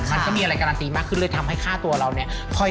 มันก็มีอะไรการันตีมากขึ้นเลยทำให้ค่าตัวเราเนี่ย